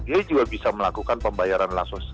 dia juga bisa melakukan pembayaran langsung